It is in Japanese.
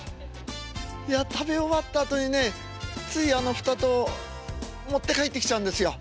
いや食べ終わったあとにねついあの蓋と持って帰ってきちゃうんですよ。